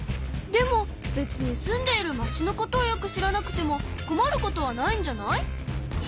でもべつに住んでいるまちのことをよく知らなくてもこまることはないんじゃない？